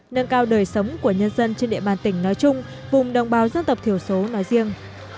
nâng cao đời sống của nhân dân trên địa bàn tỉnh nói chung vùng đồng bào dân tộc thiểu số nói riêng